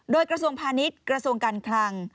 โดยกระทรวงพาณิชย์กระทรวงการคลัง